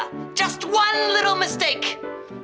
hanya satu kesalahan sedikit